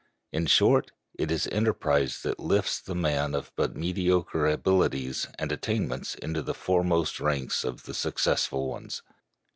In short, it is enterprise that lifts the man of but mediocre abilities and attainments into the foremost ranks of the successful ones.